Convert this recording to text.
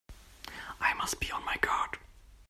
I must be on my guard!